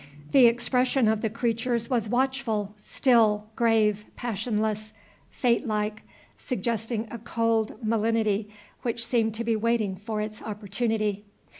The expression of the creatures was watchful, still, grave, passionless, fate like, suggesting a cold malignity which seemed to be waiting for its opportunity.